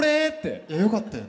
いやよかったよね。